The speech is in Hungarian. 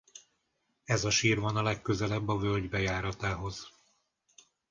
Ez a sír van a legközelebb a völgy bejáratához.